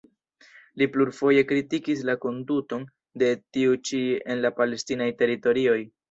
Li plurfoje kritikis la konduton de tiu ĉi en la palestinaj teritorioj.